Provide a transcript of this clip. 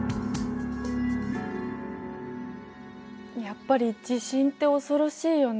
やっぱり地震って恐ろしいよね。